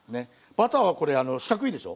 バターはこれ四角いでしょ。